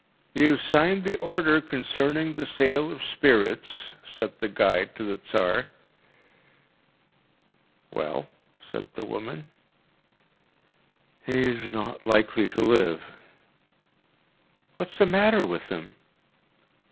“You signed the order concerning the sale of spirits,‚ÄĚ said the guide to the Tsar. ‚ÄúWell?‚ÄĚ said the woman. “He’s not likely to live.‚ÄĚ “What’s the matter with him?